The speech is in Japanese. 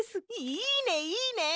いいねいいね！